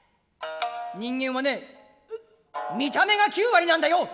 「人間はね見た目が九割なんだよ。